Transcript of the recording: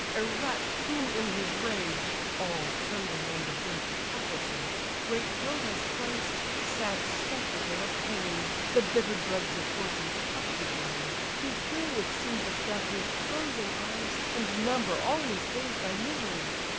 a wretch, whom in his rage (All trembling on the verge of helpless age) Great Jove has placed, sad spectacle of pain! The bitter dregs of fortune's cup to drain: To fill with scenes of death his closing eyes, And number all his days by miseries!